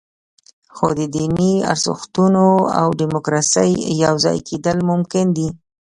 خو د دیني ارزښتونو او دیموکراسۍ یوځای کېدل ممکن دي.